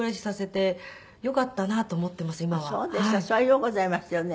それはようございましたよね。